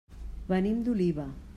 Venim d'Oliva.